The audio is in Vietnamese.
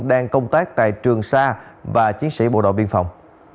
đang công tác tại trường sa và chiến sĩ bộ đội biên phòng